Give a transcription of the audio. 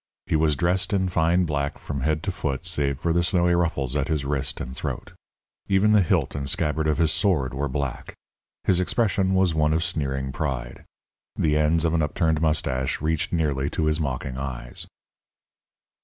He was dressed in fine black from head to foot save for the snowy ruffles at his wrist and throat. Even the hilt and scabbard of his sword were black. His expression was one of sneering pride. The ends of an upturned moustache reached nearly to his mocking eyes.